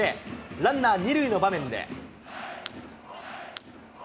ランナー２塁の場面で。